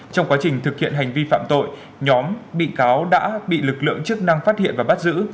trong quá trình thực hiện hành vi phạm tội nhóm bị cáo đã bị lực lượng chức năng phát hiện và bắt giữ